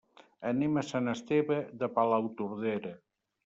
Anem a Sant Esteve de Palautordera.